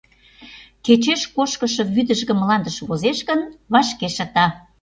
Кечеш кошкышо вӱдыжгӧ мландыш возеш гын, вашке шыта.